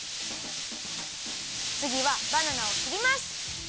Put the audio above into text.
つぎはバナナをきります！